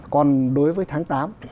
còn đối với tháng tám